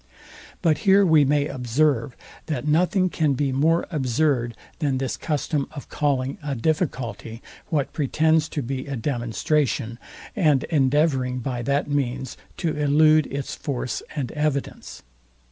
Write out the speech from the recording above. But here we may observe, that nothing can be more absurd, than this custom of calling a difficulty what pretends to be a demonstration, and endeavouring by that means to elude its force and evidence.